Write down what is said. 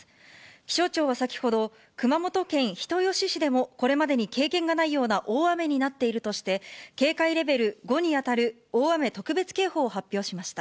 気象庁は先ほど、熊本県人吉市でもこれまでに経験がないような大雨になっているとして、警戒レベル５に当たる大雨特別警報を発表しました。